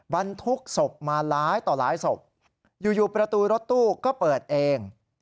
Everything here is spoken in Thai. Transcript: บรรทุกศพมาหลายต่อหลายศพอยู่ประตูรถตู้ก็เปิดเอง